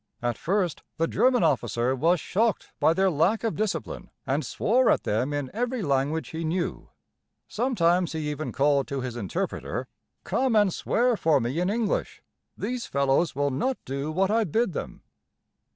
At first the German officer was shocked by their lack of discipline, and swore at them in every language he knew; sometimes he even called to his interpreter: "Come and swear for me in English; these fellows will not do what I bid them."